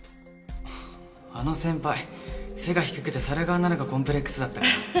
あの先輩背が低くて猿顔なのがコンプレックスだったから。